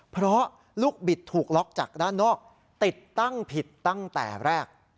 เพราะลูกบิดถูกล็อกจากด้านนอกติดตั้งผิดตั้งแต่แรก